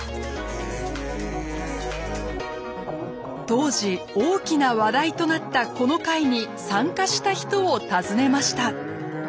当時大きな話題となったこの会に参加した人を訪ねました。